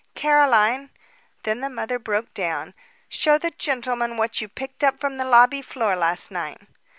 "Caroline" Then the mother broke down. "Show the gentleman what you picked up from the lobby floor last night."